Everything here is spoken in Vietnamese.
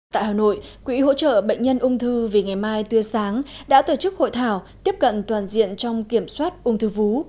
tại hà nội quỹ hỗ trợ bệnh nhân ung thư vì ngày mai tươi sáng đã tổ chức hội thảo tiếp cận toàn diện trong kiểm soát ung thư vú